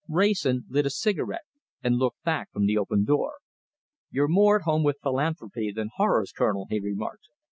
Wrayson lit a cigarette and looked back from the open door. "You're more at home with philanthropy than horrors, Colonel," he remarked.